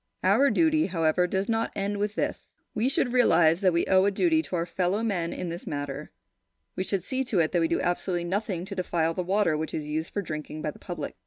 Our duty, however, does not end with this. We should realise that we owe a duty to our fellowmen in this matter. We should see to it that we do absolutely nothing to defile the water which is used for drinking by the public.